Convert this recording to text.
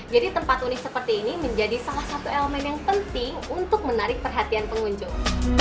jadi tempat unik seperti ini menjadi salah satu elemen yang penting untuk menarik perhatian pengunjung